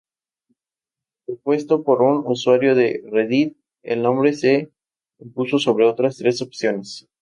Propuesto por un usuario de reddit, el nombre se impuso sobre otras tres opciones.